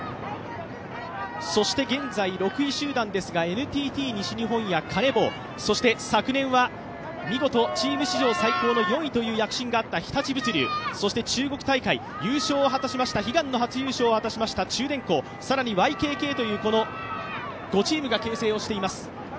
現在６位集団ですが、ＮＴＴ西日本やカネボウ、そして昨年は見事、チーム史上最高の４位という記録があった日立物流、中国大会、悲願の優勝を果たしました中電工、更にＹＫＫという５チームが形成をしています。